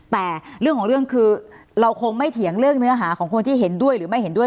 แต่เรื่องของเรื่องคือเราคงไม่เถียงเรื่องเนื้อหาของคนที่เห็นด้วยหรือไม่เห็นด้วย